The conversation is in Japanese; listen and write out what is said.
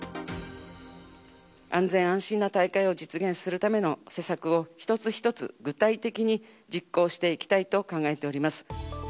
安全安心な大会を実現するための施策を一つ一つ具体的に実行していきたいと考えております。